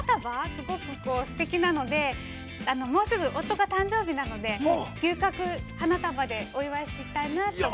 すごくすてきなのでもうすぐ夫が誕生日なので牛角花束でお祝いしていきたいなと思います。